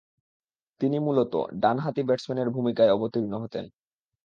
তিনি মূলতঃ ডানহাতি ব্যাটসম্যানের ভূমিকায় অবতীর্ণ হতেন।